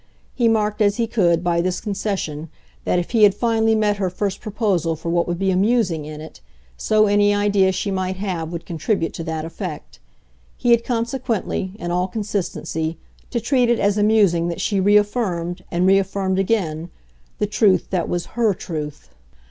He marked as he could, by this concession, that if he had finally met her first proposal for what would be "amusing" in it, so any idea she might have would contribute to that effect. He had consequently in all consistency to treat it as amusing that she reaffirmed, and reaffirmed again, the truth that was HER truth.